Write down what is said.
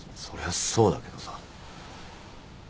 そりゃそうだけどさ。